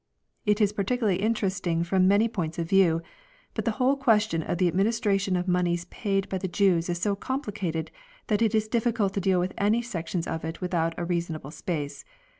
It is particularly interesting from many points of view ; but the whole question of the administration of moneys paid by the Jews is so complicated that it is difficult to deal with any sections of it within a reasonable space.